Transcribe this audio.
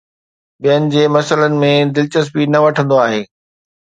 ٻين جي مسئلن ۾ دلچسپي نه وٺندو آهي